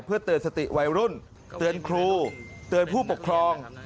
เพื่อเตือนสติวัยรุ่นเตือนครูเตือนผู้ปกครอง